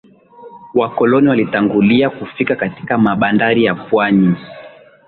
Wakoloni walitangulia kufika katika mabandari ya pwani